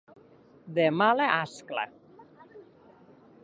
De mala ascla.